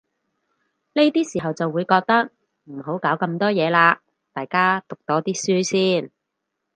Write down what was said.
呢啲時候就會覺得，唔好搞咁多嘢喇，大家讀多啲書先